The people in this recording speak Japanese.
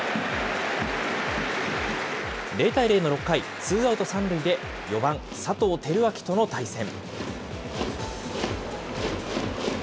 ０対０の６回、ツーアウト３塁で４番佐藤輝明との対戦。